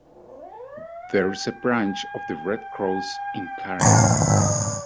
There is a branch of the Red Cross in Karen.